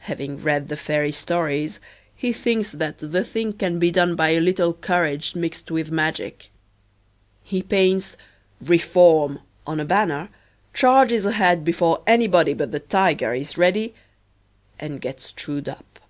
Having read the fairy stories, he thinks that the thing can be done by a little courage mixed with magic. He paints REFORM on a banner, charges ahead before anybody but the Tiger is ready and gets chewed up.